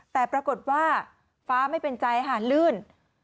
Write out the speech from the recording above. แต่ปรากฏว่าฟ้าไม่เป็นใจค่ะลื่น